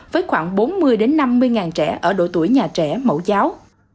với khoảng bốn mươi năm mươi ngàn trẻ ở độ tuổi nhà trẻ mẫu giáo